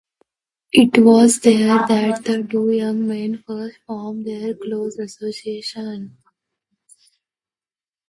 It was there that the two young men first formed their close association.